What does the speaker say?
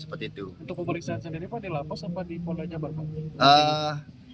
untuk pemeriksaan sendiri pak di lapas apa di polda jabar pak